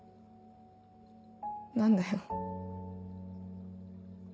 何だよ？